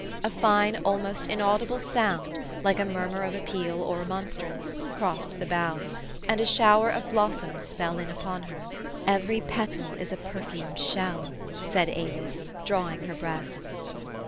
A fine, almost inaudible sound, like a murmur of appeal or remon strance, crossed the boughs ; and a shower of blos soms fell in upon her. "Every petal is a perfumed shell," said Avis, drawing her breath.